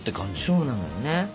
そうなのよね。